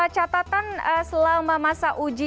catatan selama masa uji